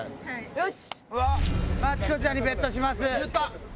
よし！